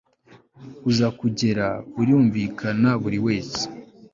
uza kugera birumvikana buriwese